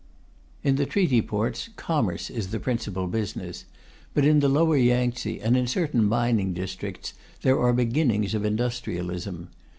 In the Treaty Ports commerce is the principal business; but in the lower Yangtze and in certain mining districts there are beginnings of industrialism.